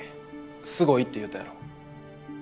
すごいって言うたやろ。